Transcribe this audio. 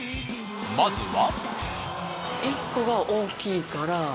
まずは。